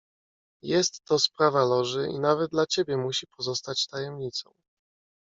"Jest to sprawa Loży i nawet dla ciebie musi pozostać tajemnicą."